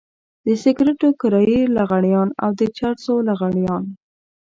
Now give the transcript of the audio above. د سګرټو کرايي لغړيان او د چرسو لغړيان.